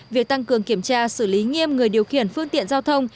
việc tăng cường kiểm tra xử lý nghiêm người điều khiển phương tiện giao thông